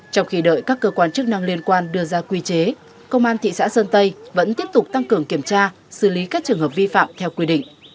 trong khi đợi các cơ quan chức năng liên quan đưa ra quy chế công an thị xã sơn tây vẫn tiếp tục tăng cường kiểm tra xử lý các trường hợp vi phạm theo quy định